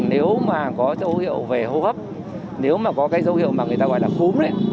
nếu mà có dấu hiệu về hô hấp nếu mà có cái dấu hiệu mà người ta gọi là cúm đấy